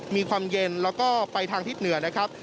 มีความเย็นแล้วก็ไปทางทิศเหนือนะครับ